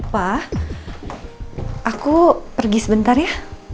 pak aku pergi sebentar ya